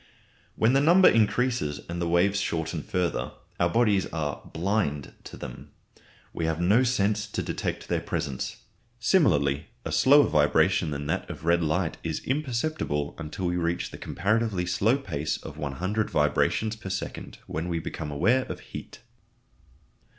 When the number increases and the waves shorten further, our bodies are "blind" to them; we have no sense to detect their presence. Similarly, a slower vibration than that of red light is imperceptible until we reach the comparatively slow pace of 100 vibrations per second, when we become aware of heat.